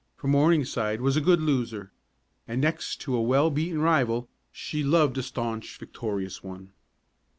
For Morningside was a good loser and next to a well beaten rival, she loved a staunch victorious one.